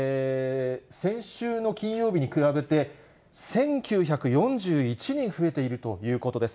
先週の金曜日に比べて、１９４１人増えているということです。